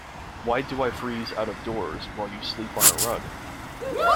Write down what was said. Why do I freeze out of doors while you sleep on a rug?